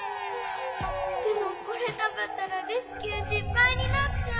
でもこれたべたらレスキューしっぱいになっちゃう！